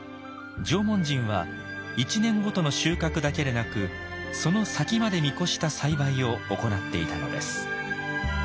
縄文人は１年ごとの収穫だけでなくその先まで見越した栽培を行っていたのです。